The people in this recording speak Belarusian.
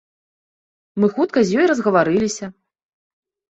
Мы хутка з ёй разгаварыліся.